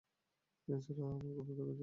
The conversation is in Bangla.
এটা ছাড়া আমায় কোথাও যেতে দেখেছো?